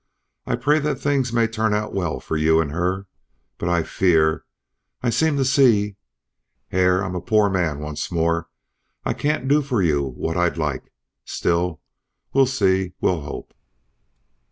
I pray that things may turn out well for you and her. But I fear I seem to see Hare, I'm a poor man once more. I can't do for you what I'd like. Still we'll see, we'll hope."